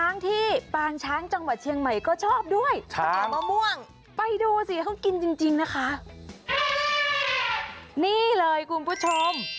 นี่เลยคุณผู้ชม